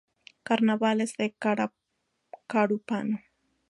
Carnavales de Carúpano.